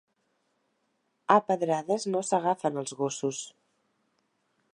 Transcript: A pedrades no s'agafen els gossos.